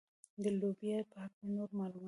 د لوبیا په هکله نور معلومات.